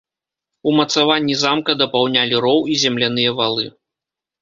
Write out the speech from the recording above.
Умацаванні замка дапаўнялі роў і земляныя валы.